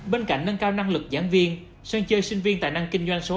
bên cạnh nâng cao năng lực giảng viên sân chơi sinh viên tài năng kinh doanh số